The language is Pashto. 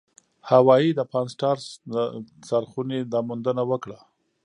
هاوايي د پان-سټارس څارخونې دا موندنه وکړه.